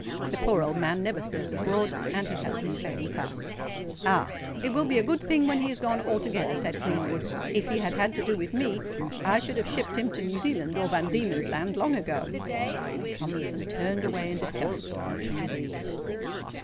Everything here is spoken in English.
"The poor old man never stirs abroad; and his health is failing fast." "Ah! it will be a good thing when he is gone altogether," said Greenwood. "If he had had to do with me, I should have shipped him to New Zealand or Van Diemen's Land long ago." Tomlinson turned away in disgust, and took his leave.